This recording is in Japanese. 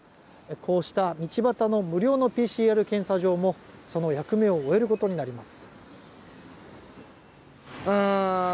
こうした道端の無料のＰＣＲ検査場もその役目を終えることになります。